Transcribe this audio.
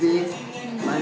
cảm ơn các khách sạn